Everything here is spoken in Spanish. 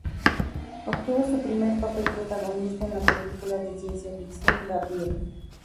Obtuvo su primer papel protagonista en la película de ciencia ficción "Gabriel".